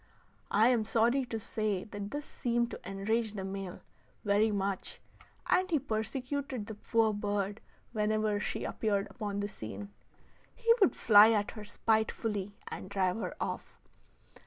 I am sorry to say that this seemed to enrage the male, very much, and he persecuted the poor bird whenever she appeared upon the scene. He would fly at her spitefully and drive her off.